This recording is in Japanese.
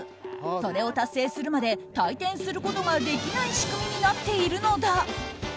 それを達成するまで退店することができない仕組みになっているのだ。